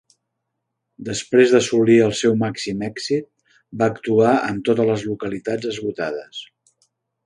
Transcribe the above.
Després d"assolir el seu màxim èxit, va actuar amb totes les localitats esgotades.